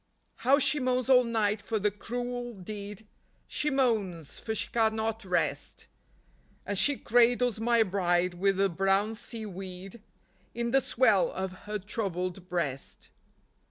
How she moans all night for the cruel deed ; She moans, for she cannot rest ; And she cradles my bride with the brown sea weed In the swell of her troubled breast.